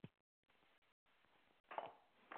هغه ما ته یو راه بلد هم راکړ.